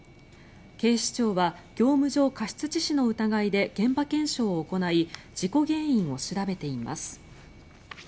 警視庁は業務上過失致死の疑いで現場検証を行い事故原因を調べています。